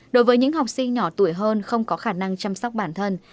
đối với những học sinh nhỏ tuổi hơn không có khả năng chăm sóc bản thân